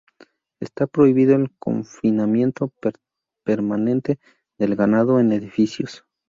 Está prohibido el confinamiento permanente del ganado en edificios.